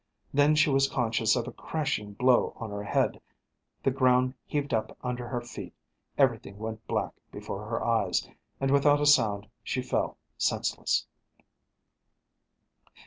Then she was conscious of a crashing blow on her head, the ground heaved up under her feet, everything went black before her eyes, and without a sound she fell senseless.